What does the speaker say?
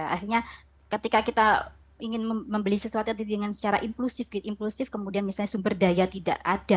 artinya ketika kita ingin membeli sesuatu dengan secara impulsif kemudian misalnya sumber daya tidak ada